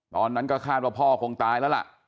ตอนนั้นก็คาดว่าพ่อคงตายแล้วล่ะ